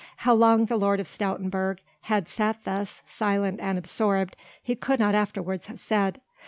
How long the Lord of Stoutenburg had sat thus, silent and absorbed, he could not afterwards have said.